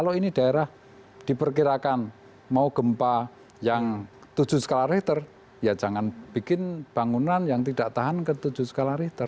kalau ini daerah diperkirakan mau gempa yang tujuh skala riter ya jangan bikin bangunan yang tidak tahan ke tujuh skala richter